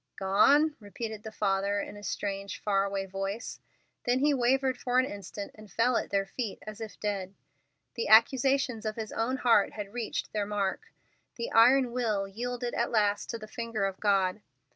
"Gone?" repeated the father in a strange, far away voice; then he wavered for an instant, and fell at their feet, as if dead. The accusations of his own heart had reached their mark. The iron will yielded at last to the finger of God.